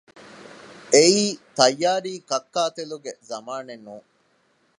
އެއީ ތައްޔާރީ ކައްކާތެލުގެ ޒަމާނެއް ނޫން